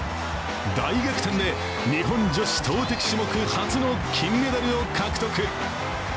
大逆転で、日本女子投てき種目初の金メダルを獲得。